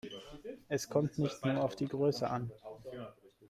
Es kommt nicht nur auf die Größe an.